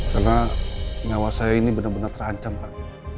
karena nyawa saya ini benar benar terancam pak